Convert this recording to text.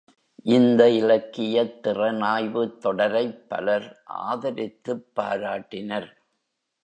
இந்த இலக்கியத் திறனாய்வுத் தொடரைப் பலர் ஆதரித்துப் பாராட்டினர்.